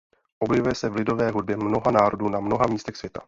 Objevuje se v lidové hudbě mnoha národů na mnoha místech světa.